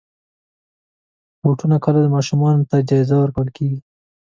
بوټونه کله ماشومانو ته جایزه ورکول کېږي.